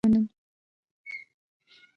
حضرت عمر فاروق لومړی ازاد شوي مریان ومنل.